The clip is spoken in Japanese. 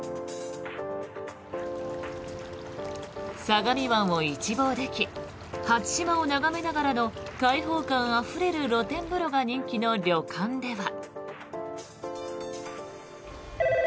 相模湾を一望でき初島を眺めながらの開放感あふれる露天風呂が人気の旅館では。